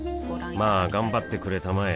まあ頑張ってくれたまえ